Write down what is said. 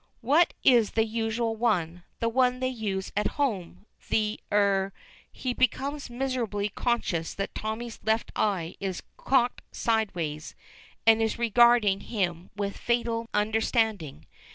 What is the usual one, the one they use at home the er? He becomes miserably conscious that Tommy's left eye is cocked sideways, and is regarding him with fatal understanding.